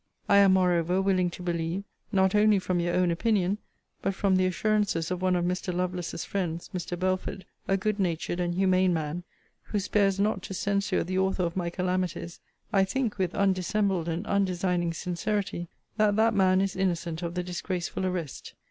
I am, moreover, willing to believe, not only from your own opinion, but from the assurances of one of Mr. Lovelace's friends, Mr. Belford, a good natured and humane man, who spares not to censure the author of my calamities (I think, with undissembled and undesigning sincerity) that that man is innocent of the disgraceful arrest.